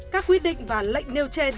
các quyết định và lệnh nêu trên